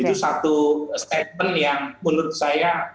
itu satu statement yang menurut saya